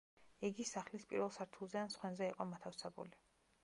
იგი სახლის პირველ სართულზე ან სხვენზე იყო მოთავსებული.